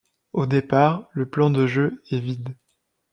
Au départ, le plan de jeu est vide.